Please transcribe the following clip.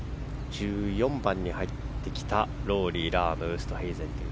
１４番に入ってきたロウリー、ラームウーストヘイゼン。